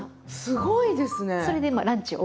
すごいですね。